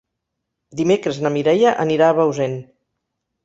Dimecres na Mireia anirà a Bausen.